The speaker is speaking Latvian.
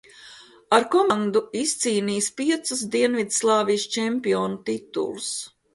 Ar komandu izcīnījis piecus Dienvidslāvijas čempionu titulus.